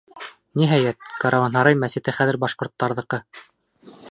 Ниһайәт, Каруанһарай мәсете хәҙер башҡорттарҙыҡы!